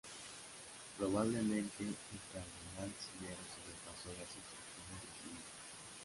Probablemente el cardenal Cisneros sobrepasó las instrucciones recibidas.